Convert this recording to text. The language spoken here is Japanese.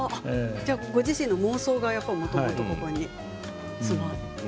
ご自身の妄想がもともと詰まっている。